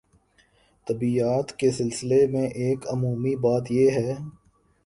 طبیعیات کے سلسلے میں ایک عمومی بات یہ ہے